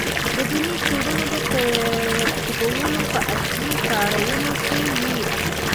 د دیني څېړنو ترتیبول په اصلي کارونو کې وي.